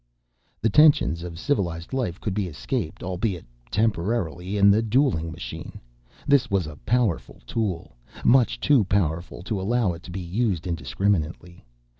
The tensions of civilized life could be escaped—albeit temporarily—in the dueling machine. This was a powerful tool, much too powerful to allow it to be used indiscriminately.